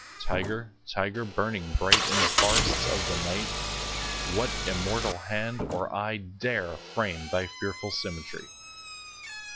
20 Tiger, tiger, burning bright In the forests of the night, What immortal hand or eye Dare frame thy fearful symmetry?